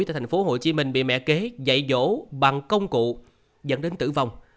tại thành phố hồ chí minh bị mẹ kế dạy dỗ bằng công cụ dẫn đến tử vong